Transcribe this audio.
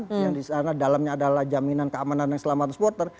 yang di sana dalamnya adalah jaminan keamanan dan keselamatan supporter